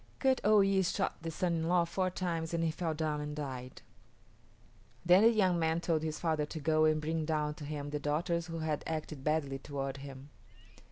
Kut o yis´ shot the son in law four times and he fell down and died. Then the young man told his father to go and bring down to him the daughters who had acted badly toward him.